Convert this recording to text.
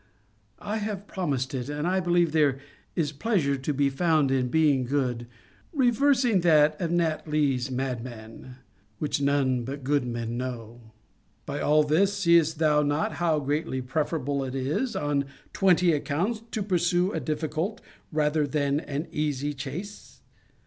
I have promised it; and I believe there is a pleasure to be found in being good, reversing that of Nat. Lee's madman, Which none but good men know. By all this, seest thou not how greatly preferable it is, on twenty accounts, to pursue a difficult rather than an easy chace?